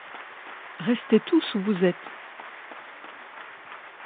Restez tous où vous êtes.